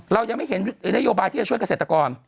เรายังไม่เห็นนโยบายที่จะช่วยเกษตรกร